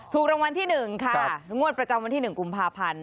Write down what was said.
ถูกรางวัลที่๑ค่ะงวดประจำวันที่๑กุมภาพันธ์